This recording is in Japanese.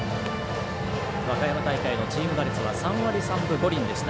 和歌山大会のチーム打率は３割３分５厘でした。